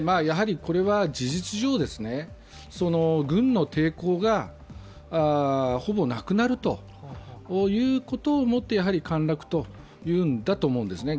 これは事実上、軍の抵抗がほぼなくなるということをもって陥落というんだと思うんですね。